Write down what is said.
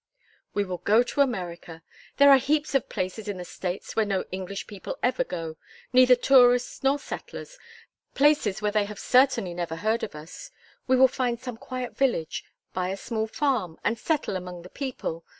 "We will go to America. There are heaps of places in the States where no English people ever go neither tourists nor settlers places where they have certainly never heard of us. We will find some quiet village, buy a small farm, and settle among the people.